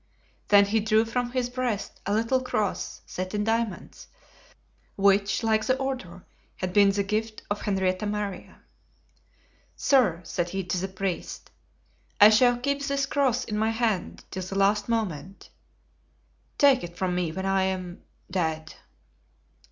Then he drew from his breast a little cross set in diamonds, which, like the order, had been the gift of Henrietta Maria. "Sir," said he to the priest, "I shall keep this cross in my hand till the last moment. Take it from me when I am—dead."